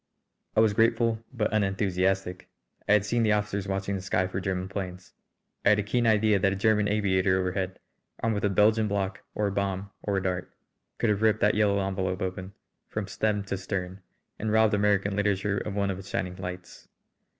I was grateful but unenthusiastic. I had seen the officers watching the sky for German planes. I had a keen idea that a German aviator overhead, armed with a Belgian block or a bomb or a dart, could have ripped that yellow envelope open from stem to stern, and robbed American literature of one of its shining lights.